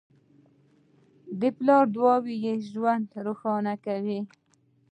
د پلار دعاوې ژوند روښانه کوي.